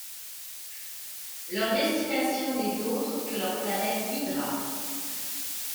Leur destination n'est d'autre que leur planète Hydra.